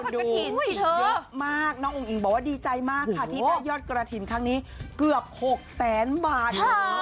กระถิ่นเยอะมากน้องอุ้งอิ๋งบอกว่าดีใจมากค่ะที่ได้ยอดกระถิ่นครั้งนี้เกือบ๖แสนบาท